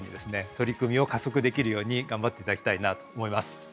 取り組みを加速できるように頑張っていただきたいなと思います。